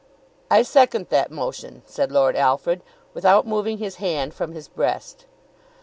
"I second that motion," said Lord Alfred, without moving his hand from his breast.